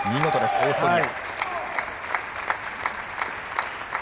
オーストリア。